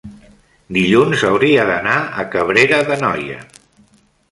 dilluns hauria d'anar a Cabrera d'Anoia.